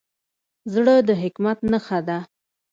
زړه د حکمت نښه ده.